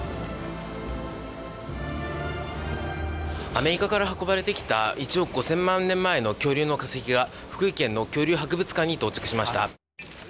アメリカから運ばれてきた１億５，０００万年前の恐竜の化石が福井県の恐竜博物館に到着しました。